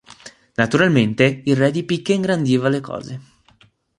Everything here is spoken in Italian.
Naturalmente il re di picche ingrandiva le cose.